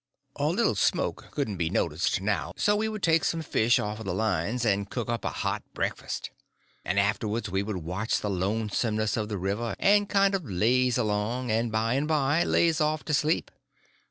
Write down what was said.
A little smoke couldn't be noticed now, so we would take some fish off of the lines and cook up a hot breakfast. And afterwards we would watch the lonesomeness of the river, and kind of lazy along, and by and by lazy off to sleep.